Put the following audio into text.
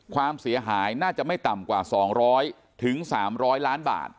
ความเสียหายน่าจะไม่ต่ำกว่าสองร้อยถึงสามร้อยล้านบาท